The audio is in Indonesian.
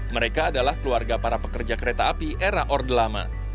mereka adalah keluarga para pekerja kereta api era orde lama